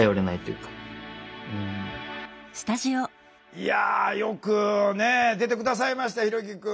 いやよく出て下さいましたひろきくん。